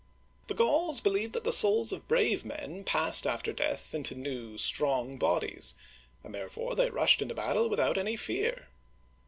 " The Gauls believed that the souls of brave men passed after death into new, strong bodies; and therefore they rushed into battle without any fear.